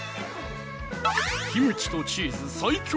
キムチとチーズ最強